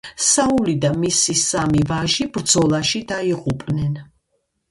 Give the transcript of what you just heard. საული და მისი სამი ვაჟი ბრძოლაში დაიღუპნენ.